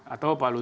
atau pak lutfi